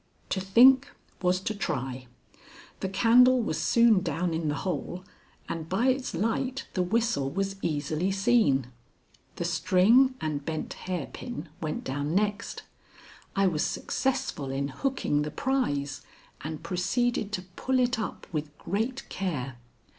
To think was to try. The candle was soon down in the hole, and by its light the whistle was easily seen. The string and bent hairpin went down next. I was successful in hooking the prize and proceeded to pull it up with great care.